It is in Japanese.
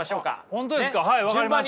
本当ですかはい分かりました。